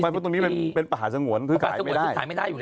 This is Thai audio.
เพราะตรงนี้เป็นป่าสงวนซื้อขายไม่ได้